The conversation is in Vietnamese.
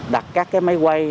đặt các máy quay